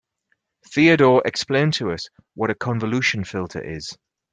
Theodore explained to us what a convolution filter is.